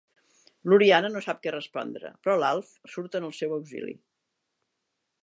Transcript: L'Oriana no sap què respondre, però l'Alf surt en el seu auxili.